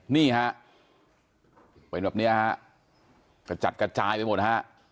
นี่ฮะเป็นแบบเนี้ยฮะกระจัดกระจายไปหมดฮะ